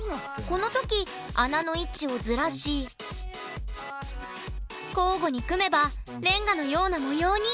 この時穴の位置をずらし交互に組めばレンガのような模様に。